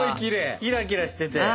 キラキラしてて。